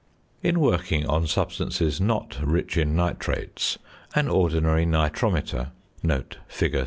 In working on substances not rich in nitrates, an ordinary nitrometer (fig.